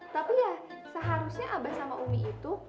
tapi ya seharusnya abah sama umi itu